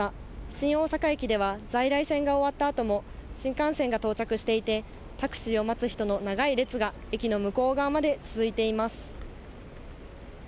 新大阪駅では、在来線が終わったあとも、新幹線が到着していて、タクシーを待つ人の長い列が駅の向こう側まで続いています。